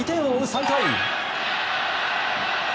３回。